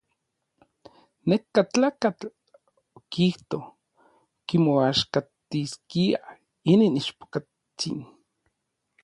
Neka tlakatl okijto kimoaxkatiskia inin ichpokatsin.